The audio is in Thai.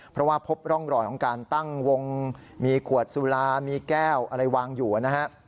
เพราะว่าพบร่องรอยของการตั้งวงมีขวดสุรามีแก้วอะไรวางอยู่นะฮะ